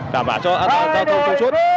đảm bảo cho an toàn giao thông trong suốt